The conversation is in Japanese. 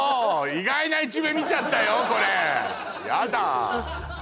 意外な一面見ちゃったよ